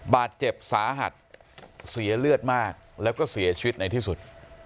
บาดเจ็บสาหัสเสียเลือดมากแล้วก็เสียชีวิตในที่สุด